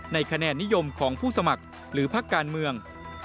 คะแนนนิยมของผู้สมัครหรือพักการเมือง